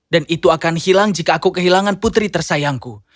dan itu akan hilang jika aku kehilangan putri tersayangku